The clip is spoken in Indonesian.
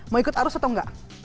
mau ikut arus atau enggak